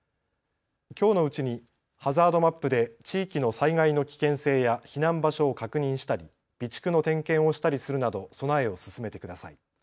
きょうのうちにハザードマップで地域の災害の危険性や避難場所を確認したり備蓄の点検をしたりするなど備えを進めてください。